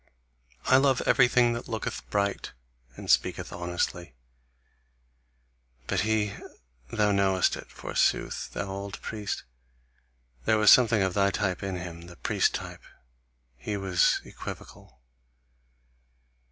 I love everything that looketh bright and speaketh honestly. But he thou knowest it, forsooth, thou old priest, there was something of thy type in him, the priest type he was equivocal.